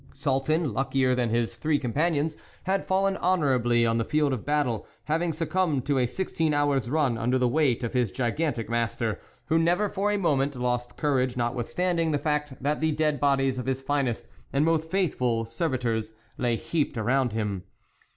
Sultan, luckier than his three companions had fallen honourably on the field of battle, having succumbed to a sixteen hours' run under the weight of his gigantic master, who never for a moment lost courage notwithstanding the fact that the dead bodies of his finest and most faithful servitors lay heaped around him.